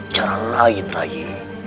cara lain rai